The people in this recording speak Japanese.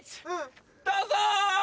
どうぞ！